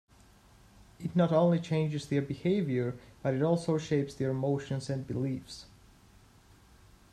It not only changes their behavior, but it also shapes their emotions and beliefs.